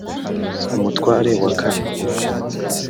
umutware wa kane